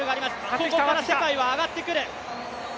ここから世界は上がってくる。